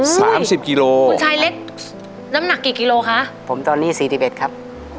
สามสิบกิโลคุณชายเล็กน้ำหนักกี่กิโลคะผมตอนนี้สี่สิบเอ็ดครับ